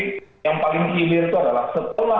oleh kawan kawan di gerindra dan